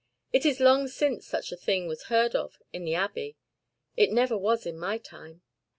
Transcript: It is long since such a thing was heard of in the Abbey. It never was in my time."